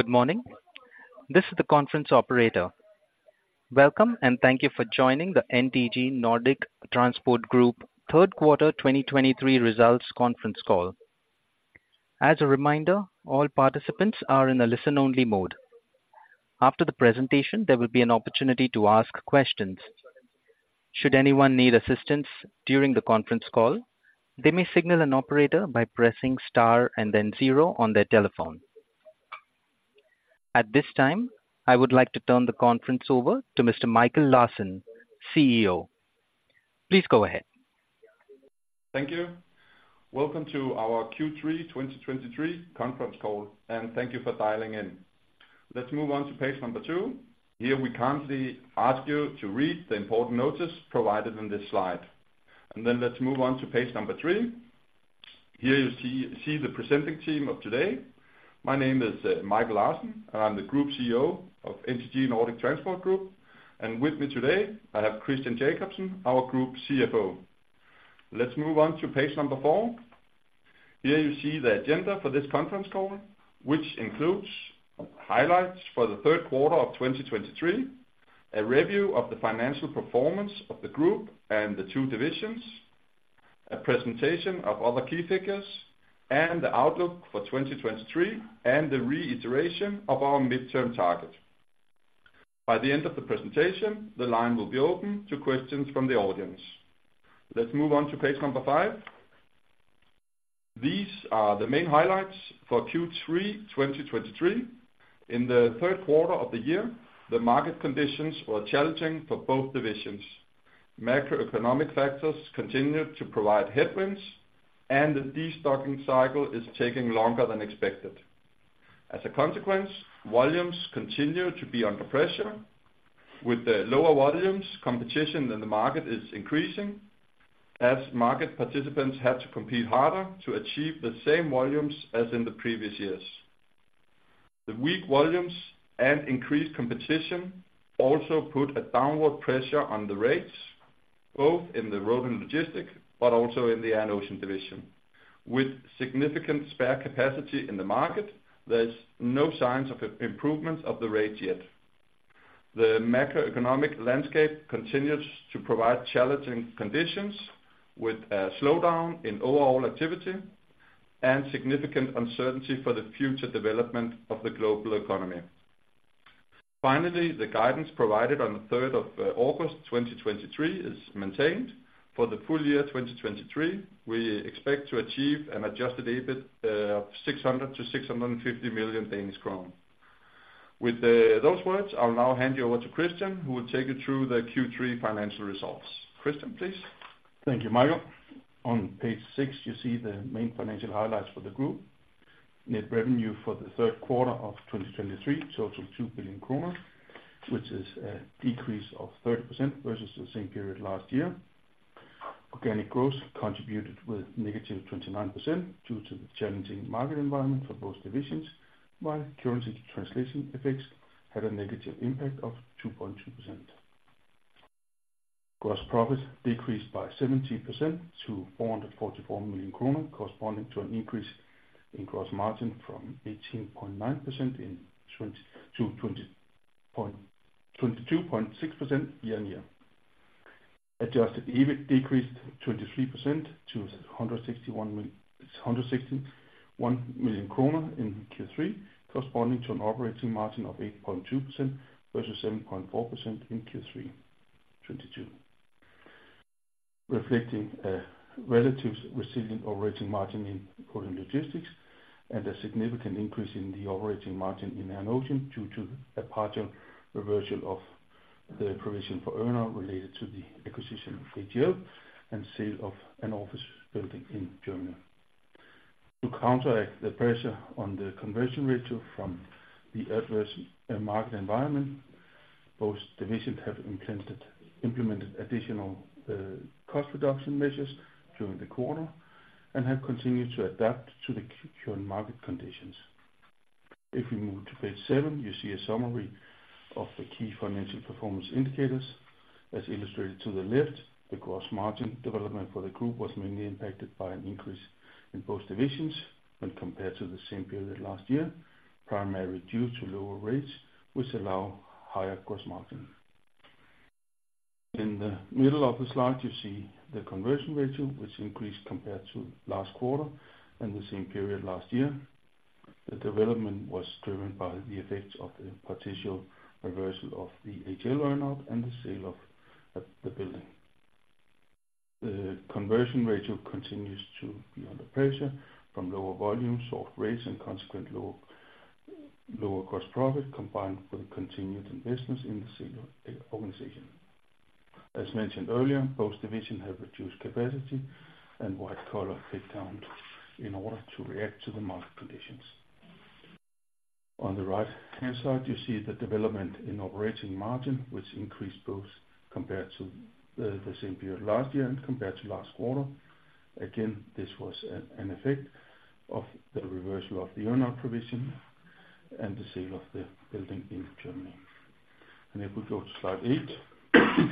Good morning. This is the conference operator. Welcome, and thank you for joining the NTG Nordic Transport Group third quarter 2023 results conference call. As a reminder, all participants are in a listen-only mode. After the presentation, there will be an opportunity to ask questions. Should anyone need assistance during the conference call, they may signal an operator by pressing star and then zero on their telephone. At this time, I would like to turn the conference over to Mr. Michael Larsen, CEO. Please go ahead. Thank you. Welcome to our Q3 2023 conference call, and thank you for dialing in. Let's move on to page number 2. Here, we kindly ask you to read the important notice provided on this slide. Then let's move on to page number 3. Here you see the presenting team of today. My name is, Michael Larsen, and I'm the Group CEO of NTG Nordic Transport Group. With me today, I have Christian Jakobsen, our Group CFO. Let's move on to page number 4. Here you see the agenda for this conference call, which includes highlights for the third quarter of 2023, a review of the financial performance of the group and the two divisions, a presentation of other key figures, and the outlook for 2023, and the reiteration of our midterm target. By the end of the presentation, the line will be open to questions from the audience. Let's move on to page number 5. These are the main highlights for Q3 2023. In the third quarter of the year, the market conditions were challenging for both divisions. Macroeconomic factors continued to provide headwinds, and the destocking cycle is taking longer than expected. As a consequence, volumes continue to be under pressure. With the lower volumes, competition in the market is increasing as market participants had to compete harder to achieve the same volumes as in the previous years. The weak volumes and increased competition also put a downward pressure on the rates, both in the road and logistics, but also in the air and ocean division. With significant spare capacity in the market, there's no signs of improvement of the rates yet. The macroeconomic landscape continues to provide challenging conditions, with a slowdown in overall activity and significant uncertainty for the future development of the global economy. Finally, the guidance provided on the third of August 2023 is maintained. For the full year 2023, we expect to achieve an adjusted EBIT of 600 million-650 million Danish crown. With those words, I'll now hand you over to Christian, who will take you through the Q3 financial results. Christian, please. Thank you, Michael. On page 6, you see the main financial highlights for the group. Net revenue for the third quarter of 2023, total 2 billion kroner, which is a decrease of 30% versus the same period last year. Organic growth contributed with -29% due to the challenging market environment for both divisions, while currency translation effects had a negative impact of 2.2%. Gross profit decreased by 17% to 444 million kroner, corresponding to an increase in gross margin from 18.9% in 2022 to 22.6% year-on-year. Adjusted EBIT decreased 23% to 161 million kroner in Q3, corresponding to an operating margin of 8.2% versus 7.4% in Q3 2022. Reflecting a relative resilient operating margin in road and logistics and a significant increase in the operating margin in air and ocean due to a partial reversal of the provision for earnout related to the acquisition of AGL and sale of an office building in Germany. To counteract the pressure on the conversion ratio from the adverse market environment, both divisions have implemented additional cost reduction measures during the quarter and have continued to adapt to the current market conditions. If we move to page 7, you see a summary of the key financial performance indicators. As illustrated to the left, the gross margin development for the group was mainly impacted by an increase in both divisions when compared to the same period last year, primarily due to lower rates which allow higher gross margin. In the middle of the slide, you see the conversion ratio, which increased compared to last quarter and the same period last year. The development was driven by the effects of the partial reversal of the AGL earnout and the sale of the building. The conversion ratio continues to be under pressure from lower volumes of rates and consequently lower gross profit, combined with the continued investments in the senior organization. As mentioned earlier, both divisions have reduced capacity and white-collar headcount in order to react to the market conditions. On the right-hand side, you see the development in operating margin, which increased both compared to the same period last year and compared to last quarter. Again, this was an effect of the reversal of the earnout provision and the sale of the building in Germany. If we go to slide 8,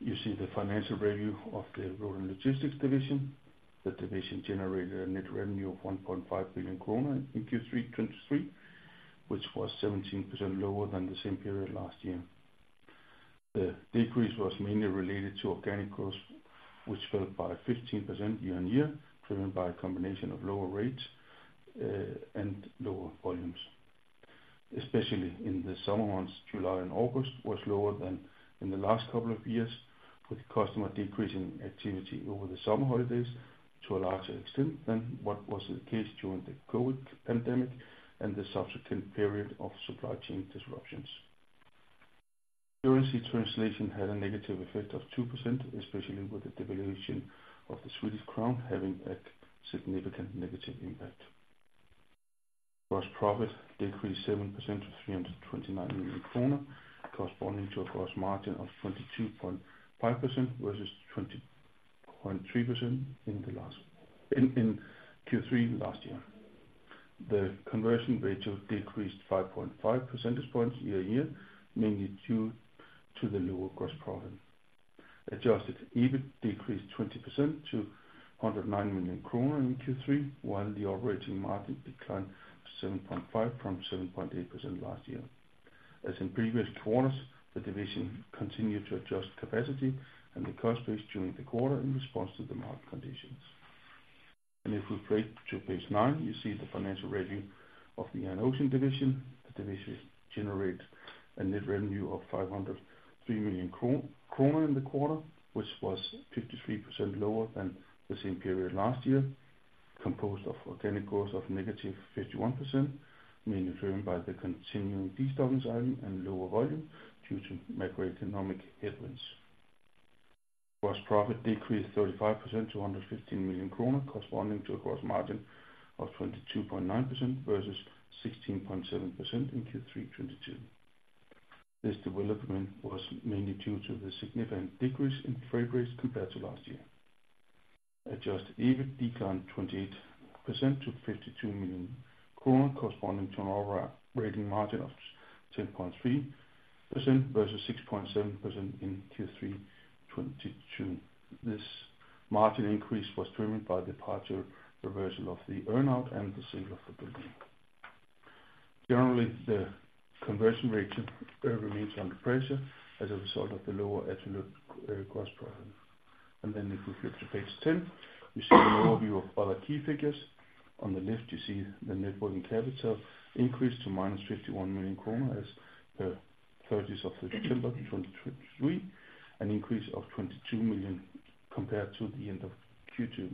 you see the financial review of the Road and Logistics division. The division generated a net revenue of 1.5 billion krone in Q3 2023, which was 17% lower than the same period last year. The decrease was mainly related to organic growth, which fell by 15% year-on-year, driven by a combination of lower rates, and lower volumes. Especially in the summer months, July and August, was lower than in the last couple of years, with customer decreasing activity over the summer holidays to a larger extent than what was the case during the COVID pandemic and the subsequent period of supply chain disruptions. Currency translation had a negative effect of 2%, especially with the devaluation of the Swedish crown having a significant negative impact. Gross profit decreased 7% to 329 million kroner, corresponding to a gross margin of 22.5% versus 20.3% in Q3 last year. The conversion ratio decreased 5.5 percentage points year-on-year, mainly due to the lower gross profit. Adjusted EBIT decreased 20% to 109 million kroner in Q3, while the operating margin declined to 7.5% from 7.8% last year. As in previous quarters, the division continued to adjust capacity and the cost base during the quarter in response to the market conditions. If we flip to page nine, you see the financial review of the Air and Ocean division. The division generate a net revenue of 503 million kroner in the quarter, which was 53% lower than the same period last year, composed of organic growth of -51%, mainly driven by the continuing destocking cycle and lower volume due to macroeconomic headwinds. Gross profit decreased 35% to 115 million kroner, corresponding to a gross margin of 22.9% versus 16.7% in Q3 2022. This development was mainly due to the significant decrease in freight rates compared to last year. Adjusted EBIT declined 28% to 52 million kroner, corresponding to an operating margin of 10.3% versus 6.7% in Q3 2022. This margin increase was driven by the partial reversal of the earnout and the sale of the building. Generally, the conversion rate remains under pressure as a result of the lower absolute gross profit. Then if we flip to page 10, you see an overview of other key figures. On the left, you see the net working capital increase to -51 million kroner as per the 30th of September 2023, an increase of 22 million compared to the end of Q2.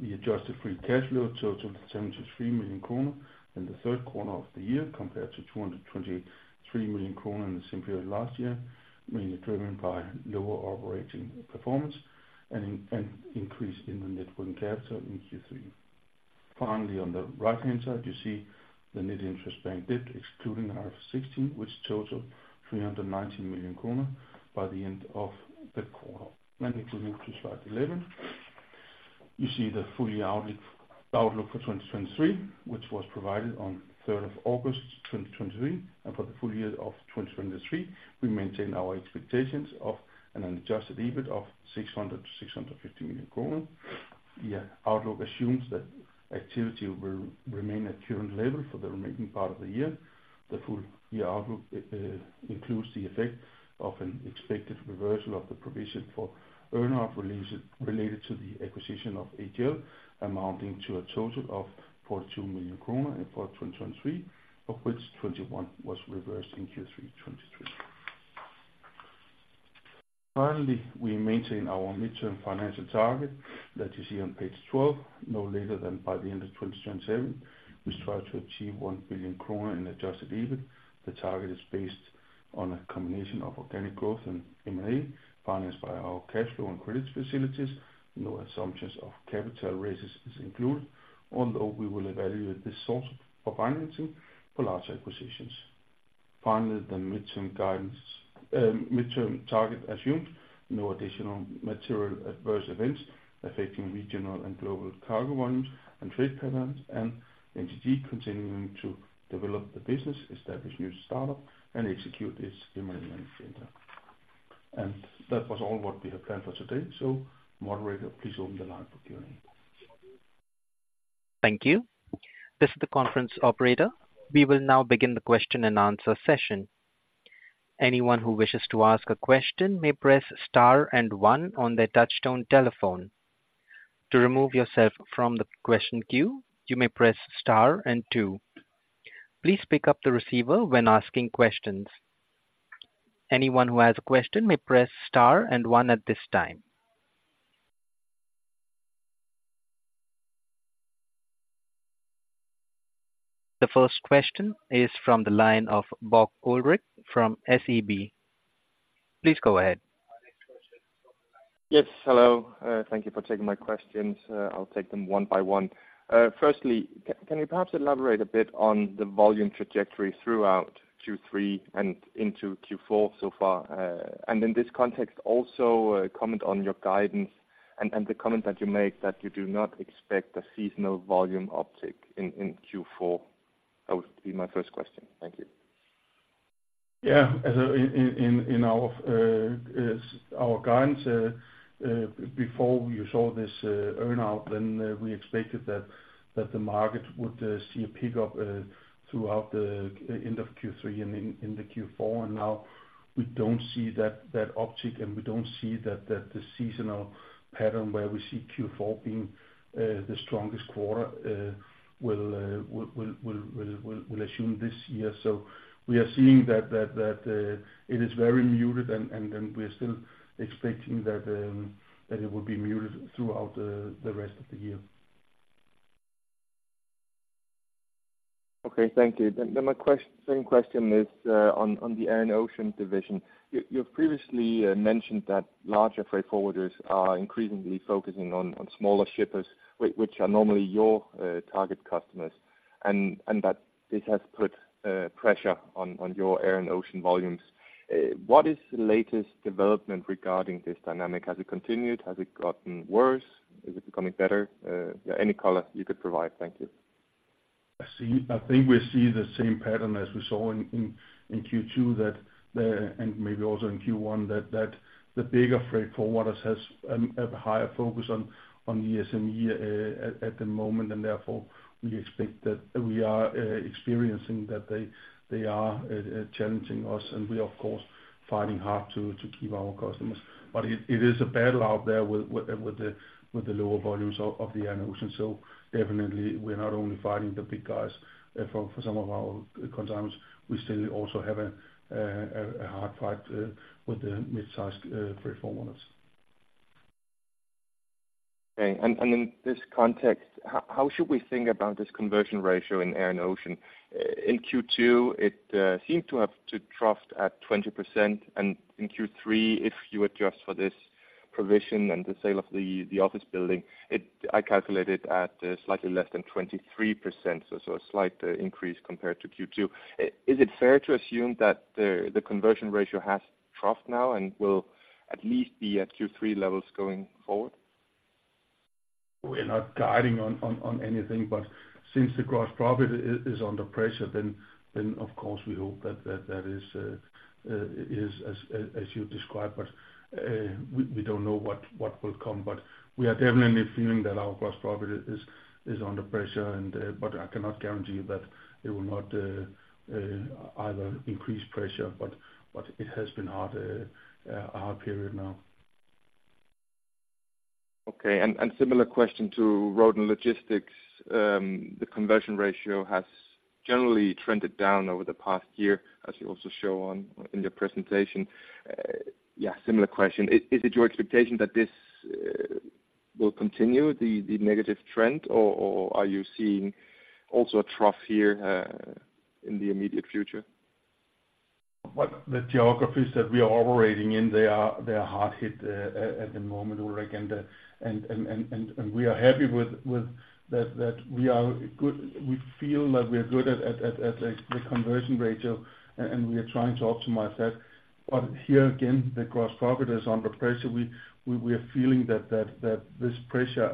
The adjusted free cash flow totaled 73 million kroner in the third quarter of the year, compared to 223 million kroner in the same period last year, mainly driven by lower operating performance and increase in the net working capital in Q3. Finally, on the right-hand side, you see the net interest bank debt, excluding IFRS 16, which totaled 319 million kroner by the end of the quarter. If we move to slide 11, you see the full year outlook for 2023, which was provided on August 3, 2023, and for the full year of 2023, we maintain our expectations of an adjusted EBIT of 600 million-650 million kroner. Yeah, outlook assumes that activity will remain at current level for the remaining part of the year. The full year outlook includes the effect of an expected reversal of the provision for earn-out release related to the acquisition of AGL, amounting to a total of 42 million kroner in 2023, of which 21 million was reversed in Q3 2023. Finally, we maintain our midterm financial target that you see on page 12, no later than by the end of 2027, we try to achieve 1 billion kroner in adjusted EBIT. The target is based on a combination of organic growth and M&A, financed by our cash flow and credit facilities. No assumptions of capital raises is included, although we will evaluate this source for financing for large acquisitions. Finally, the midterm guidance, midterm target assumes no additional material adverse events affecting regional and global cargo volumes and trade patterns, and NTG continuing to develop the business, establish new startup, and execute its M&A cThat was all what we had planned for today. Moderator, please open the line for Q&A. Thank you. This is the conference operator. We will now begin the question-and-answer session. Anyone who wishes to ask a question may press star and one on their touchtone telephone. To remove yourself from the question queue, you may press star and two. Please pick up the receiver when asking questions. Anyone who has a question may press star and one at this time. The first question is from the line of Bob Goldrich from SEB. Please go ahead. Yes, hello, thank you for taking my questions. I'll take them one by one. Firstly, can you perhaps elaborate a bit on the volume trajectory throughout Q3 and into Q4 so far? And in this context, also, comment on your guidance? And the comment that you made, that you do not expect a seasonal volume uptick in Q4. That would be my first question. Thank you. Yeah, as in our guidance before you saw this earnout, then we expected that the market would see a pickup throughout the end of Q3 and into Q4. And now we don't see that uptick, and we don't see that the seasonal pattern where we see Q4 being the strongest quarter will assume this year. So we are seeing that it is very muted, and we're still expecting that it will be muted throughout the rest of the year. Okay, thank you. Then my question is on the Air and Ocean division. You've previously mentioned that larger freight forwarders are increasingly focusing on smaller shippers, which are normally your target customers, and that this has put pressure on your Air and Ocean volumes. What is the latest development regarding this dynamic? Has it continued? Has it gotten worse? Is it becoming better? Yeah, any color you could provide. Thank you. I see, I think we see the same pattern as we saw in Q2, and maybe also in Q1, that the bigger freight forwarders has a higher focus on the SME at the moment, and therefore, we expect that we are experiencing that they are challenging us, and we, of course, fighting hard to keep our customers. But it is a battle out there with the lower volumes of the Air and Ocean. So definitely, we're not only fighting the big guys for some of our customers, we still also have a hard fight with the mid-sized freight forwarders. Okay. In this context, how should we think about this conversion ratio in Air and Ocean? In Q2, it seemed to have troughed at 20%, and in Q3, if you adjust for this provision and the sale of the office building, I calculate it at slightly less than 23%. So, a slight increase compared to Q2. Is it fair to assume that the conversion ratio has troughed now and will at least be at Q3 levels going forward? We're not guiding on anything, but since the gross profit is under pressure, then of course we hope that is as you described, but we don't know what will come. But we are definitely feeling that our gross profit is under pressure, and but I cannot guarantee you that it will not either increase pressure, but it has been hard, a hard period now. Okay. And similar question to Road and Logistics. The conversion ratio has generally trended down over the past year, as you also show on in the presentation. Similar question. Is it your expectation that this will continue, the negative trend, or are you seeing also a trough here in the immediate future? What the geographies that we are operating in, they are hard hit at the moment, Ulrik, and we are happy with that we are good—we feel that we are good at the conversion ratio, and we are trying to optimize that. But here, again, the gross profit is under pressure. We are feeling that this pressure,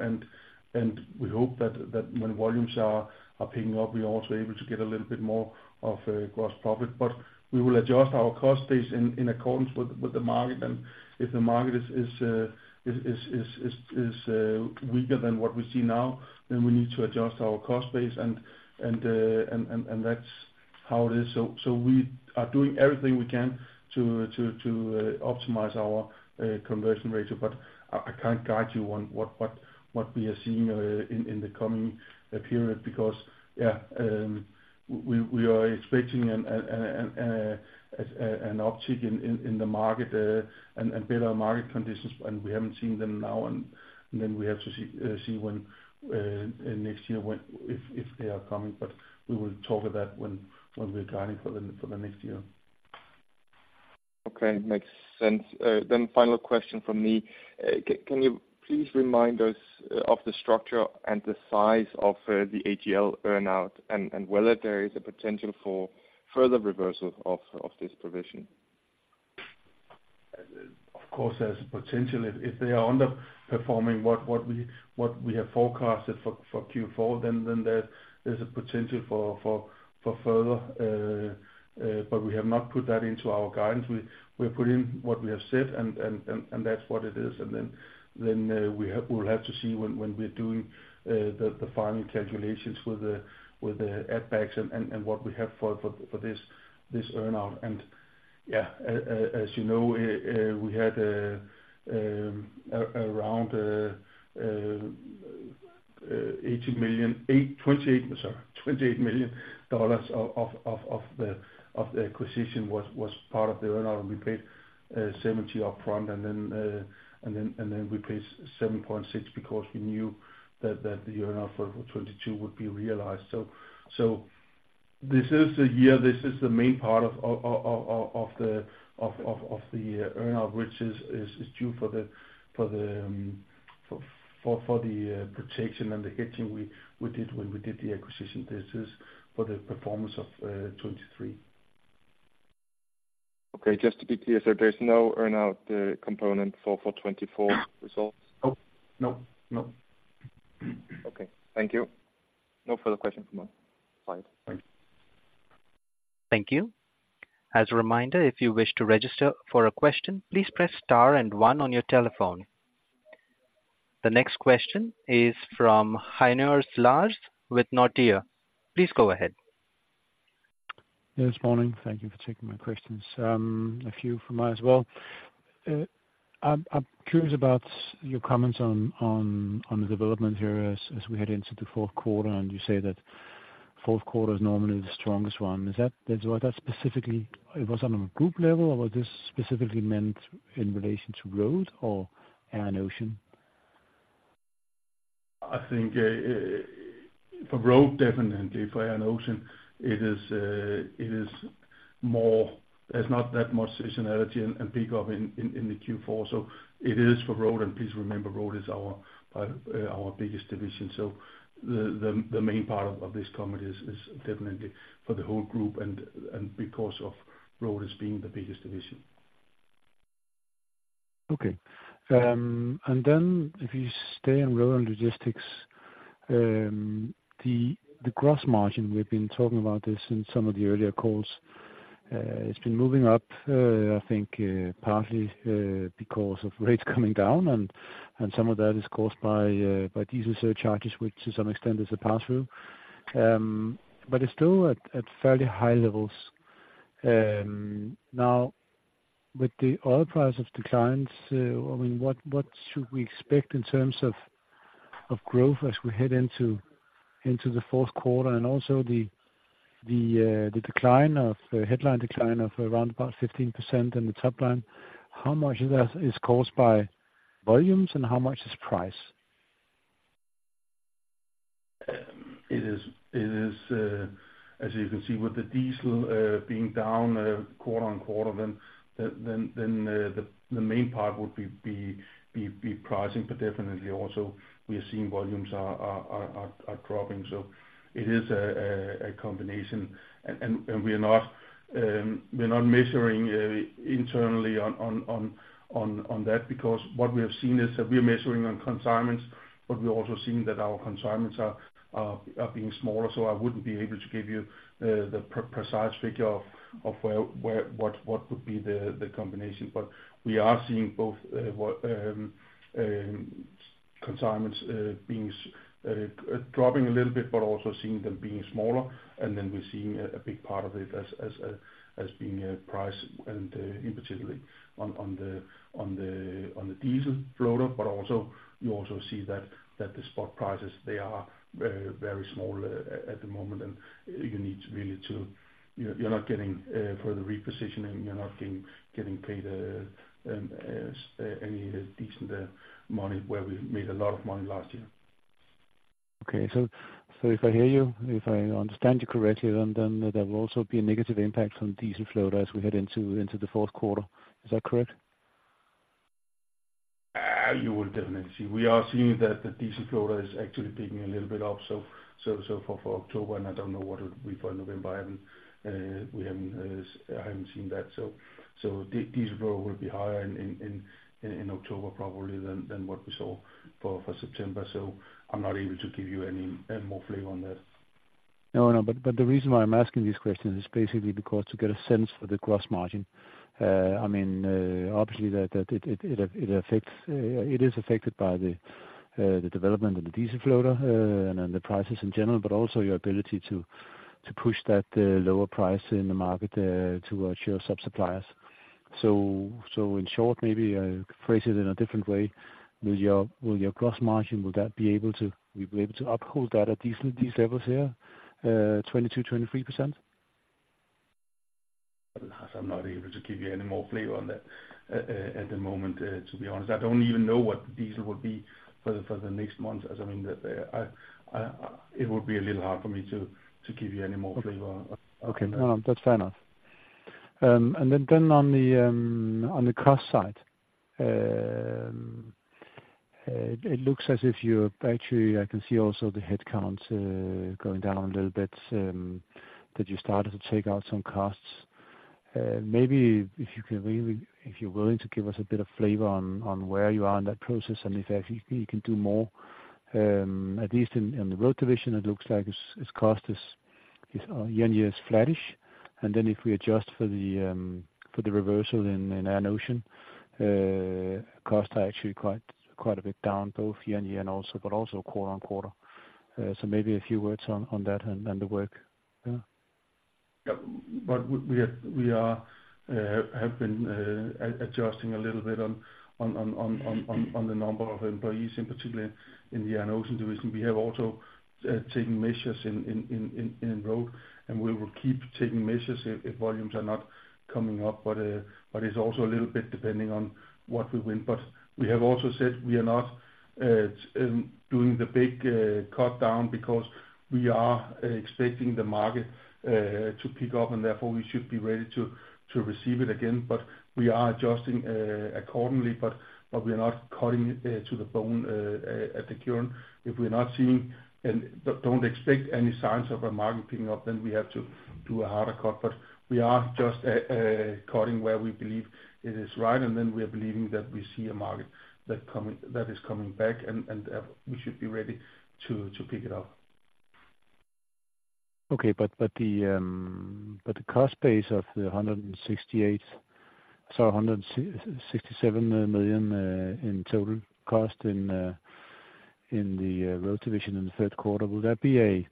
and we hope that when volumes are picking up, we are also able to get a little bit more of a gross profit. But we will adjust our cost base in accordance with the market, and if the market is weaker than what we see now, then we need to adjust our cost base, and that's how it is. So we are doing everything we can to optimize our conversion ratio, but I can't guide you on what we are seeing in the coming period. Because, yeah, we are expecting an uptick in the market, and better market conditions, and we haven't seen them now and then we have to see when next year, when, if they are coming, but we will talk of that when we're guiding for the next year. Okay. Makes sense. Then final question from me. Can you please remind us of the structure and the size of the AGL earn-out and whether there is a potential for further reversal of this provision? Of course, there's a potential. If they are underperforming what we have forecasted for Q4, then there's a potential for further. But we have not put that into our guidance. We put in what we have said, and that's what it is, and then we will have to see when we're doing the final calculations with the add backs and what we have for this earn-out. Yeah, as you know, we had around $28 million of the acquisition was part of the earnout, and we paid $70 million upfront, and then we paid $7.6 million because we knew that the earnout for 2022 would be realized. So this is the year, this is the main part of the earnout, which is due for the protection and the hedging we did when we did the acquisition. This is for the performance of 2023.... Okay, just to be clear, so there's no earnout component for 2024 results? Nope. Nope, nope. Okay, thank you. No further questions from us. Bye. Thanks. Thank you. As a reminder, if you wish to register for a question, please press star and one on your telephone. The next question is from Heindorff Lars with Nordea. Please go ahead. Yeah, this morning. Thank you for taking my questions. A few from me as well. I'm curious about your comments on the development here as we head into the fourth quarter, and you say that fourth quarter is normally the strongest one. Is that specifically, it was on a group level, or was this specifically meant in relation to road or air and ocean? I think for road, definitely. For air and ocean, it is more, there's not that much seasonality and peak in the Q4, so it is for road, and please remember, road is our biggest division. So the main part of this comment is definitely for the whole group, and because of road as being the biggest division. Okay. And then if you stay on road and logistics, the gross margin, we've been talking about this in some of the earlier calls, it's been moving up, I think, partly because of rates coming down, and some of that is caused by diesel surcharges, which to some extent is a pass-through. But it's still at fairly high levels. Now, with the oil price of declines, I mean, what should we expect in terms of growth as we head into the fourth quarter, and also the decline of, the headline decline of around about 15% in the top line, how much of that is caused by volumes, and how much is price? It is, as you can see, with the diesel being down quarter on quarter, then the main part would be pricing, but definitely also we are seeing volumes are dropping, so it is a combination. And we're not measuring internally on that, because what we have seen is that we are measuring on consignments, but we're also seeing that our consignments are being smaller, so I wouldn't be able to give you the precise figure of what would be the combination. But we are seeing both consignments being dropping a little bit, but also seeing them being smaller. And then we're seeing a big part of it as being price and in particular on the diesel floater. But also, you see that the spot prices, they are very small at the moment, and you're not getting for the repositioning, you're not getting paid any decent money where we made a lot of money last year. Okay. So, if I hear you, if I understand you correctly, then there will also be a negative impact on diesel floater as we head into the fourth quarter. Is that correct? You will definitely see. We are seeing that the diesel floater is actually picking a little bit up, so for October, and I don't know what it will be for November. I haven't seen that. So diesel floater will be higher in October probably than what we saw for September, so I'm not able to give you any more flavor on that. No, no, but, but the reason why I'm asking these questions is basically because to get a sense for the gross margin. I mean, obviously it affects, it is affected by the development of the diesel floater, and then the prices in general, but also your ability to push that lower price in the market towards your sub-suppliers. So, so in short, maybe phrase it in a different way, will your gross margin be able to uphold that at decent levels here, 22%-23%? Lars, I'm not able to give you any more flavor on that at the moment, to be honest. I don't even know what diesel will be for the next month, as I mean, it would be a little hard for me to give you any more flavor. Okay. No, no, that's fair enough. And then on the cost side, it looks as if you're actually, I can see also the headcount going down a little bit, that you started to take out some costs. Maybe if you can really, if you're willing to give us a bit of flavor on where you are in that process and if actually you can do more, at least in the road division, it looks like its cost is year-on-year flattish. And then if we adjust for the reversal in air and ocean, costs are actually quite a bit down, both year-on-year and also quarter-on-quarter. So maybe a few words on that and the work. Yeah. Yeah. But we have, we are, have been adjusting a little bit on the number of employees, in particular in the air and ocean division. We have also taken measures in road, and we will keep taking measures if volumes are not coming up. But it's also a little bit depending on what we win. But we have also said we are not doing the big cutdown because we are expecting the market to pick up, and therefore we should be ready to receive it again. But we are adjusting accordingly, but we are not cutting it to the bone at the current. If we're not seeing and don't expect any signs of a market picking up, then we have to do a harder cut. We are just cutting where we believe it is right, and then we are believing that we see a market that coming, that is coming back, and we should be ready to pick it up. Okay, but the cost base of 167 million in total cost in the road division in the third quarter, will that be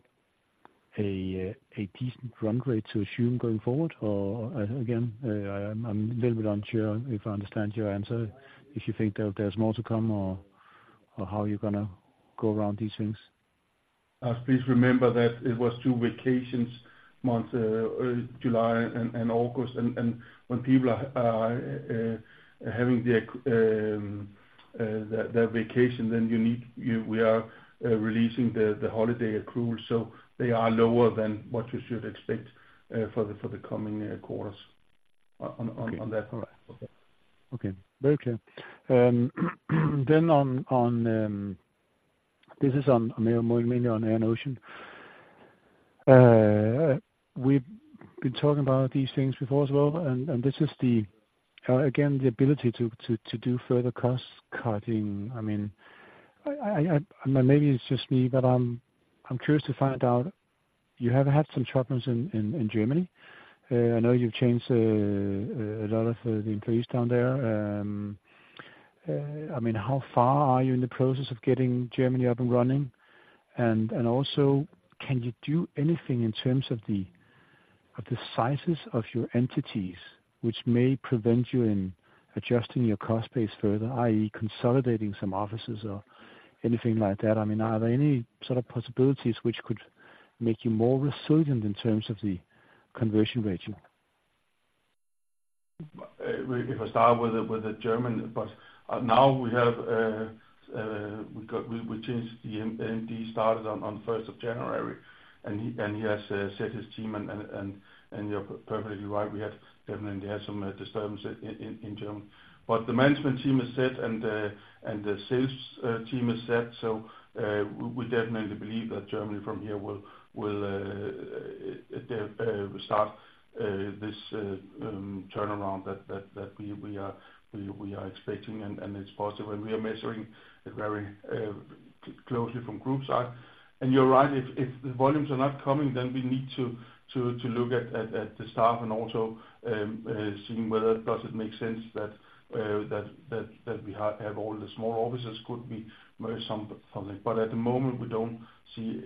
a decent run rate to assume going forward? Or again, I'm a little bit unsure if I understand your answer, if you think that there's more to come or how you're gonna go around these things. Please remember that it was two vacation months, July and August. When people are having their vacation, then we are releasing the holiday accrual. So they are lower than what you should expect for the coming quarters on that. Okay. Very clear. Then on this, more mainly on Air and Ocean. We've been talking about these things before as well, and this is, again, the ability to do further cost cutting. I mean, maybe it's just me, but I'm curious to find out. You have had some troubles in Germany. I know you've changed a lot of the employees down there. I mean, how far are you in the process of getting Germany up and running? And also, can you do anything in terms of the sizes of your entities, which may prevent you in adjusting your cost base further, i.e., consolidating some offices or anything like that? I mean, are there any sort of possibilities which could make you more resilient in terms of the conversion ratio? If I start with the German part, now we have changed the MD, started on first of January, and he has set his team. And you're perfectly right, we had definitely had some disturbance in Germany. But the management team is set, and the sales team is set. So, we definitely believe that Germany from here will start this turnaround that we are expecting, and it's possible. And we are measuring it very closely from group side. You're right, if the volumes are not coming, then we need to look at the staff and also seeing whether or does it make sense that we have all the small offices could be merge some something. But at the moment, we don't see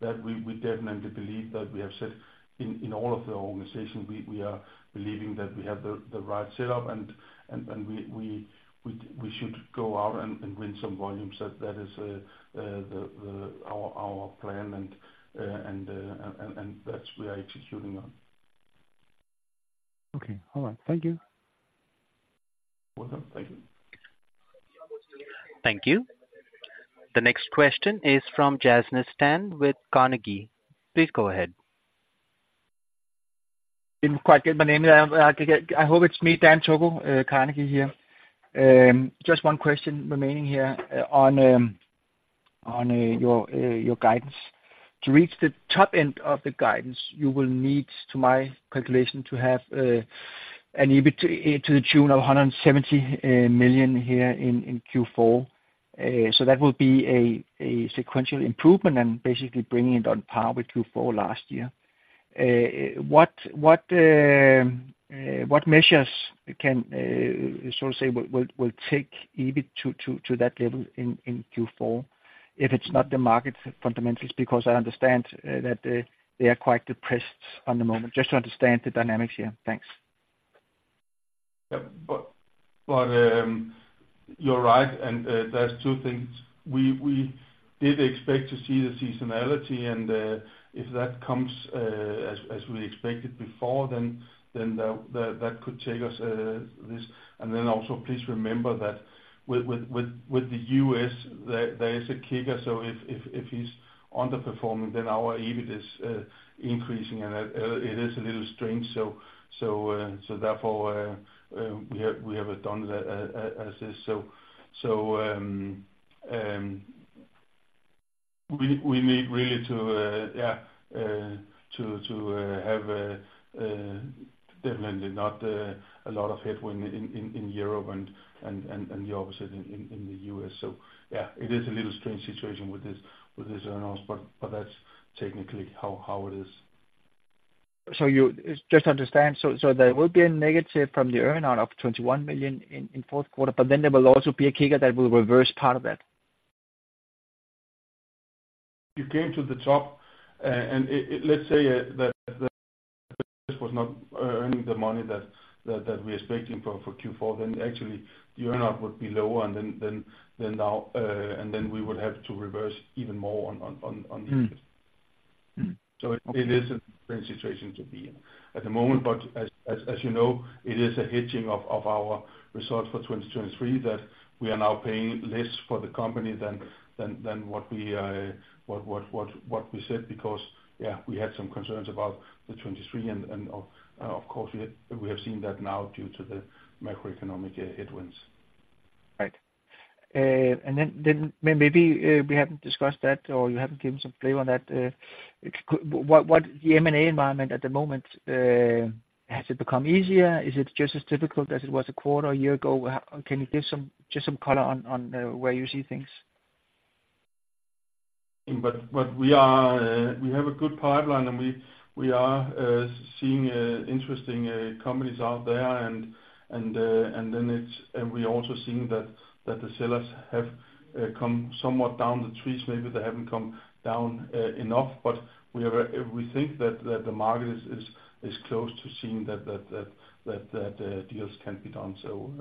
that we definitely believe that we have said in all of the organization, we are believing that we have the right setup, and we should go out and win some volumes. That is our plan, and that's we are executing on. Okay. All right. Thank you. Welcome. Thank you. Thank you. The next question is from Jasna Stan with Carnegie. Please go ahead. Didn't quite get my name there, but I could get... I hope it's me, Dan Togo, Carnegie here. Just one question remaining here, on your guidance. To reach the top end of the guidance, you will need, to my calculation, to have an EBIT to the tune of 170 million here in Q4. So that will be a sequential improvement and basically bringing it on par with Q4 last year. What measures can you say will take EBIT to that level in Q4? If it's not the market fundamentals, because I understand that they are quite depressed at the moment. Just to understand the dynamics here. Thanks. Yeah. But you're right, and there's two things. We did expect to see the seasonality, and if that comes as we expected before, then that could take us this. And then also, please remember that with the U.S., there is a kicker. So if he's underperforming, then our EBIT is increasing, and that it is a little strange. So therefore we have done that as is. So we need really to yeah to have a definitely not a lot of headwind in Europe and the opposite in the U.S. So yeah, it is a little strange situation with this earnings, but that's technically how it is. You, just to understand, there will be a negative from the earnout of $21 million in fourth quarter, but then there will also be a kicker that will reverse part of that? You came to the top, and it, let's say that the... was not earning the money that we expecting for Q4, then actually the Earnout would be lower, and then now, and then we would have to reverse even more on this. Mm. Mm. So it is a strange situation to be in at the moment, but as you know, it is a hedging of our results for 2023, that we are now paying less for the company than what we said, because, yeah, we had some concerns about the 2023 and of course, we have seen that now due to the macroeconomic headwinds. Right. And then maybe we haven't discussed that or you haven't given some flavor on that. What the M&A environment at the moment has it become easier? Is it just as difficult as it was a quarter a year ago? Can you give some just some color on where you see things?... But we have a good pipeline, and we are seeing interesting companies out there, and we're also seeing that the sellers have come somewhat down the trees. Maybe they haven't come down enough, but we think that the market is close to seeing that deals can be done. So,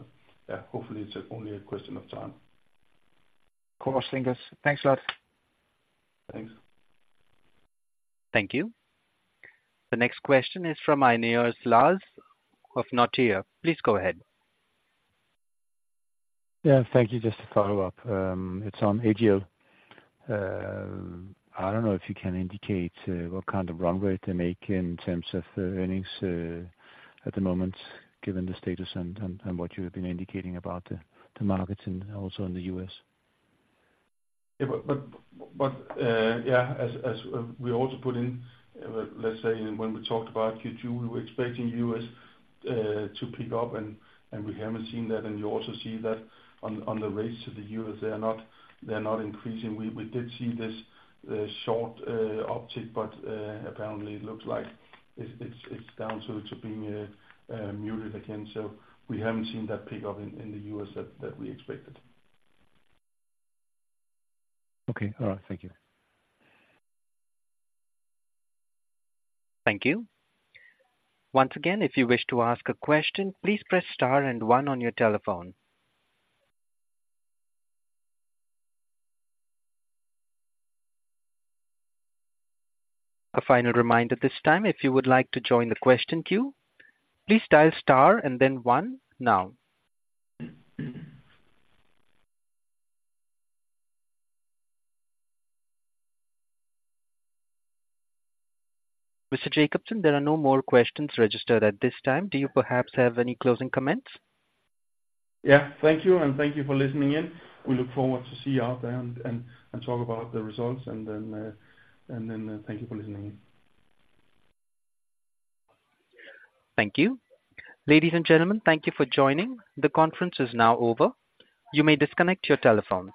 yeah, hopefully, it's only a question of time. Cross fingers. Thanks a lot. Thanks. Thank you. The next question is from Heindorff Lars of Nordea. Please go ahead. Yeah, thank you. Just to follow up, it's on AGL. I don't know if you can indicate what kind of runway to make in terms of the earnings at the moment, given the status and what you have been indicating about the markets and also in the U.S. Yeah, but yeah, as we also put in, let's say, when we talked about Q2, we were expecting U.S. to pick up, and we haven't seen that. And you also see that on the rates to the U.S. they are not increasing. We did see this short uptick, but apparently it looks like it's down to being muted again. So we haven't seen that pick up in the U.S. that we expected. Okay. All right. Thank you. Thank you. Once again, if you wish to ask a question, please press star and one on your telephone. A final reminder this time, if you would like to join the question queue, please dial star and then one now. Mr. Jakobsen, there are no more questions registered at this time. Do you perhaps have any closing comments? Yeah, thank you, and thank you for listening in. We look forward to see you out there and talk about the results, and then thank you for listening in. Thank you. Ladies and gentlemen, thank you for joining. The conference is now over. You may disconnect your telephones.